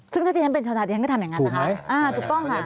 ซึ่งถ้าที่นั้นเป็นชาวนาที่นั้นก็ทำอย่างงั้นนะคะ